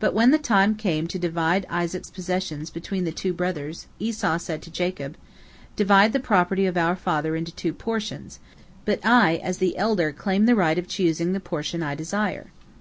But when the time came to divide Isaac's possessions between the two brothers, Esau said to Jacob, "Divide the property of our father into two portions, but I as the elder claim the right of choosing the portion I desire."